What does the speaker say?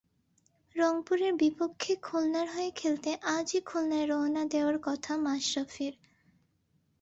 রংপুরের বিপক্ষে খুলনার হয়ে খেলতে আজই খুলনায় রওনা দেওয়ার কথা মাশরাফির।